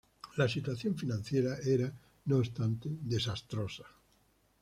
La situación financiera era, no obstante, desastrosa.